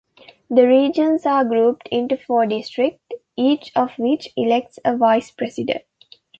The regions are grouped into four districts, each of which elects a vice-president.